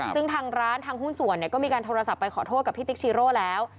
ซึ่งทางร้านทางหุ้นส่วนก็มีการโทรศัพท์ไปขอโทษกับพี่ติ๊กชีโร่แล้ว